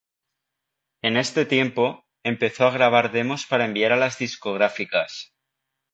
En este tiempo, empezó a grabar demos para enviar a las discográficas.